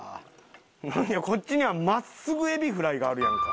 なんやこっちには真っすぐエビフライがあるやんか。